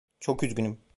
Çok üzgünüm.